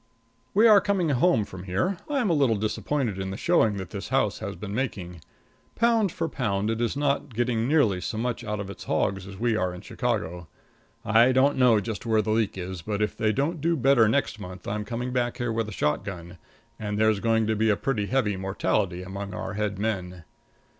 We are coming home from here. I am a little disappointed in the showing that this house has been making. Pound for pound it is not getting nearly so much out of its hogs as we are in Chicago. I don't know just where the leak is, but if they don't do better next month I am coming back here with a shotgun, and there's going to be a pretty heavy mortality among our head men.